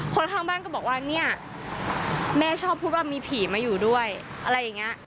คนข้างบ้านก็บอกว่าเนี่ยแม่ชอบพูดว่ามีผีมาอยู่ด้วยอะไรอย่างนี้